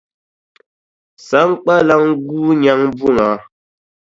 Saŋkpaliŋ guui nyaŋ buŋa.